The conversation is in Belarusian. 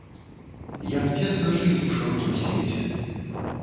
Як цесна жыць у шырокім свеце!